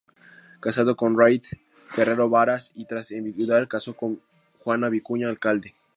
Casado con Rita Guerrero Varas y, tras enviudar, casó con Juana Vicuña Alcalde.